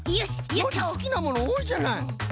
ノージーすきなものおおいじゃない。